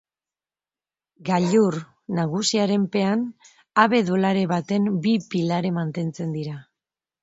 Gailur nagusiaren pean habe-dolare baten bi pilare mantentzen dira.